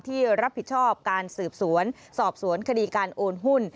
ที่รับผิดชอบการสืบสวนสอบสวนคดีการโอนหุ้น